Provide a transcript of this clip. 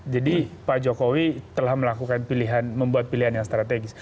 jadi pak jokowi telah melakukan pilihan membuat pilihan yang strategis